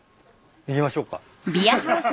行きましょうか。